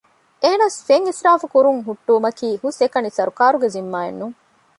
އެހެނަސް ފެން އިސްރާފުކުރުން ހުއްޓުވުމަކީ ހުސްއެކަނި ސަރުކާރުގެ ޒިންމާއެއް ނޫން